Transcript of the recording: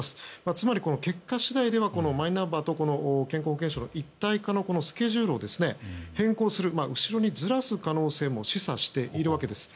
つまり結果次第ではマイナンバーと健康保険証の一体化のスケジュールを変更する後ろにずらす可能性も示唆しているわけです。